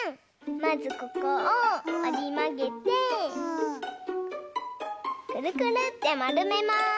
まずここをおりまげてくるくるってまるめます！